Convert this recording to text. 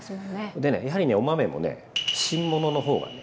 でねやはりねお豆もね「新物」の方がね